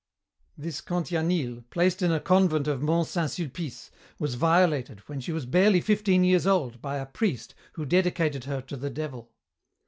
"This Cantianille, placed in a convent of Mont Saint Sulpice, was violated, when she was barely fifteen years old, by a priest who dedicated her to the Devil.